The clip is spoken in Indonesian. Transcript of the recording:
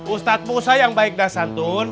ustadz musa yang baik dan santun